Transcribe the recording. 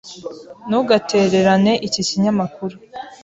Ntugatererane iki kinyamakuru.